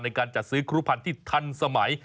ในการจัดซื้อครูพันธุ์ที่ทันสมัย